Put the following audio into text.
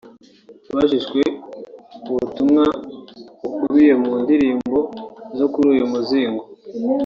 Abajijwe ubutumwa bukubiye mu ndirimbo zo kuri uyu muzingo